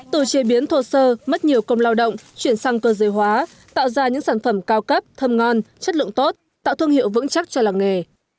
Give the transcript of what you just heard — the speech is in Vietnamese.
từ chế biến thô sơ mất nhiều công lao động chuyển sang cơ giới hóa tạo ra những sản phẩm cao cấp thơm ngon chất lượng tốt tạo thương hiệu vững chắc cho làng nghề